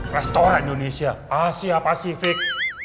restoran indonesia asia pasifik